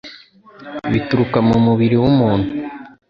bituruka mu mubiri w'umuntu?